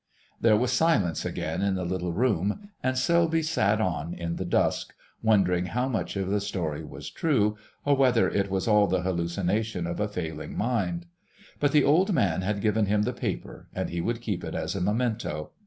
There was silence again in the little room, and Selby sat on in the dusk, wondering how much of the story was true, or whether it was all the hallucination of a failing mind; but the old man had given him the paper, and he would keep it as a memento